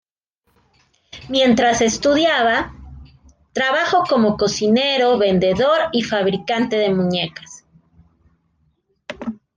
Mientras estudiaba, trabajó como cocinero, vendedor y fabricante de muñecas.